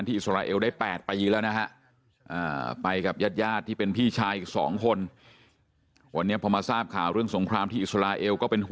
ก็เลยก็กลัวเหมือนกันค่ะได้ยินตลอดพื้นนี้สะเทือนเหมือนกันแหละค่ะ